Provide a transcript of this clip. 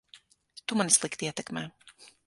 Tu mani slikti ietekmē.